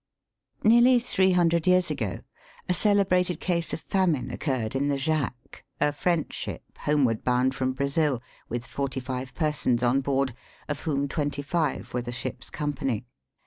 Nearly three hundred years ago, a cele brated case of famine occurred in the Jacques, a French ship, homeward bound from Brazil, with forty five persons on board, of whom twenty five were the ship's company.